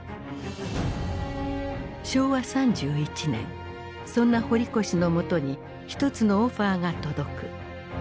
昭和３１年そんな堀越の元に一つのオファーが届く。